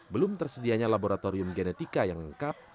belum tersedianya laboratorium genetika yang lengkap